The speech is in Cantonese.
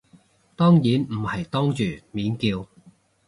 當然唔係當住面叫